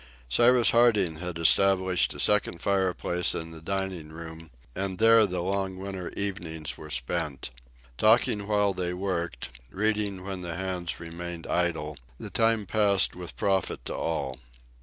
Cyrus Harding had established a second fireplace in the dining room, and there the long winter evenings were spent. Talking while they worked, reading when the hands remained idle, the time passed with profit to all.